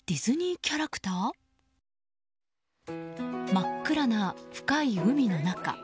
真っ暗な深い海の中。